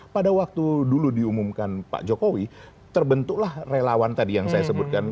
pada waktu dulu diumumkan pak jokowi terbentuklah relawan tadi yang saya sebutkan